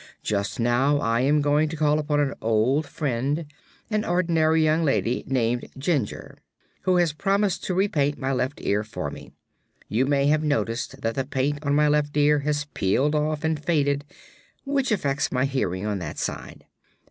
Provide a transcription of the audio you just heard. "Just now I am going to call upon an old friend an ordinary young lady named Jinjur who has promised to repaint my left ear for me. You may have noticed that the paint on my left ear has peeled off and faded, which affects my hearing on that side.